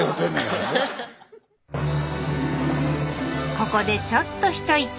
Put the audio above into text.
ここでちょっと一息。